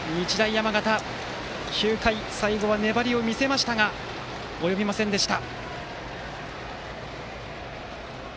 山形、９回最後は粘りを見せましたが及びませんでした。